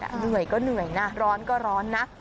เหนื่อยก็เหนื่อยนะร้อนก็ร้อนนะ